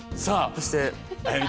そして。